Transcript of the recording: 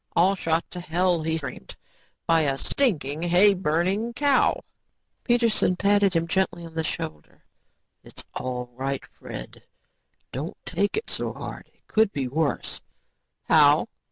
"All shot to hell," he screamed, "by a stinking, hayburning cow." Peterson patted him gently on the shoulder. "It's all right, Fred. Don't take it so hard. It could be worse." "How?"